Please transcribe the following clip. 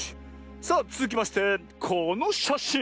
さあつづきましてこのしゃしん。